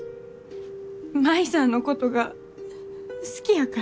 舞さんのことが好きやから？